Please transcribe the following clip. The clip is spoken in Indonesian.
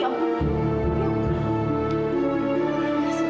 apa gara gara gue teror ya